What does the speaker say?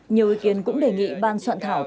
nhiều ý kiến cũng đề nghị ban soạn thảo